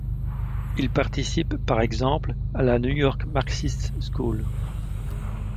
Il participe, par exemple, à la New York Marxist School.